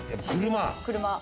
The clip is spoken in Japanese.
車。